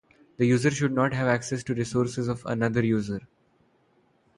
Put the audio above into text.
The user should not have access to resources of another user.